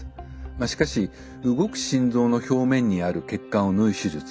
まあしかし動く心臓の表面にある血管を縫う手術。